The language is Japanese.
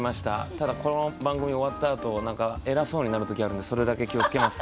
ただこの番組が終わったあと何か偉そうになる時あるのでそれだけ気を付けます。